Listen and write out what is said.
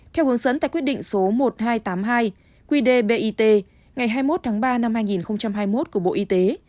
theo hướng dẫn tại quyết định số một nghìn hai trăm tám mươi hai qd bit ngày hai mươi một tháng ba năm hai nghìn hai mươi một của bộ y tế